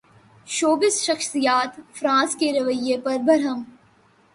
showbiz شخصیات France کے رویے پر برہم